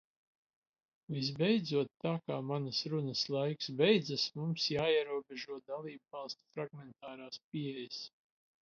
Visbeidzot, tā kā manas runas laiks beidzas, mums jāierobežo dalībvalstu fragmentārās pieejas.